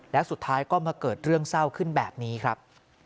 แล้วสุดท้ายก็มาเกิดเรื่องเศร้าขึ้นแบบนี้ครับ